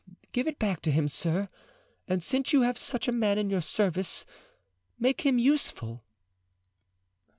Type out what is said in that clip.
Give it back to him, sir, and since you have such a man in your service, make him useful."